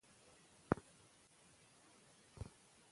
کېدای شي خبره سمه وي.